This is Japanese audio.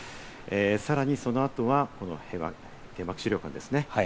さらにその後は原爆資料館ですね。